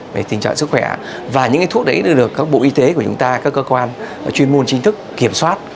về tình trạng sức khỏe và những thuốc đấy được các bộ y tế của chúng ta các cơ quan chuyên môn chính thức kiểm soát